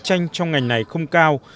tranh trong ngành này không cao